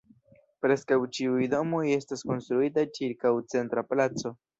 Preskaŭ ĉiuj domoj estas konstruitaj ĉirkaŭ centra placo.